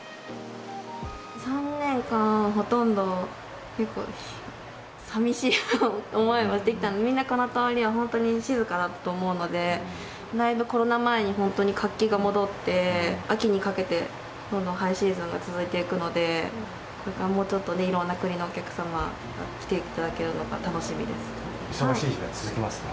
３年間、ほとんどさみしい思いをしてきたので、みんなこの通りは本当に静かだと思うので、だいぶコロナ前に、本当に活気が前に戻って、秋にかけて、どんどんハイシーズンが続いていくので、それからもうちょっといろんな国のお客様、来ていただけるのが楽忙しい日が続きますね。